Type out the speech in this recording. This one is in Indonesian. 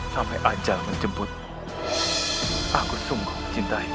sampai ajal menjemputmu aku sungguh mencintaimu